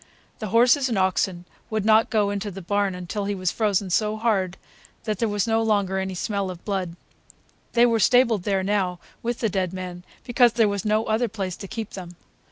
The horses and oxen would not go into the barn until he was frozen so hard that there was no longer any smell of blood. They were stabled there now, with the dead man, because there was no other place to keep them.